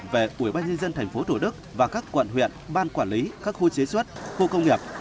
về ubnd tp hcm và các quận huyện ban quản lý khu chế xuất khu công nghiệp